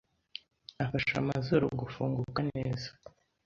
Afasha amazuru gufunguka neza